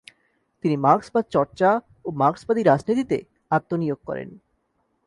তিনি মার্কসবাদ চর্চা ও মার্কসবাদী রাজনীতিতে আত্মনিয়োগ করেন।